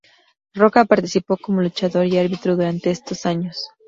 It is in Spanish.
Rocca participó como luchador y árbitro durante estos años.